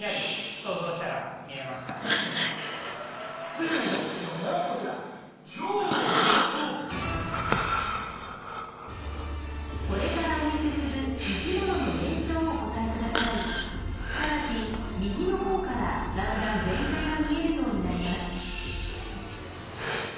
続いていきましょう続いての問題はこちらこれからお見せする生き物の名称をお答えくださいただし右の方からだんだん全体が見えるようになります